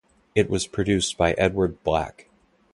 It was produced by Edward Black.